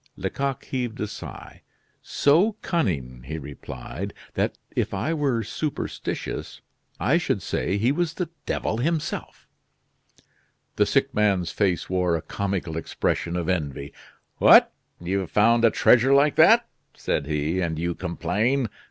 Lecoq heaved a sigh. "So cunning," he replied, "that, if I were superstitious, I should say he was the devil himself." The sick man's face wore a comical expression of envy. "What! you have found a treasure like that," said he, "and you complain!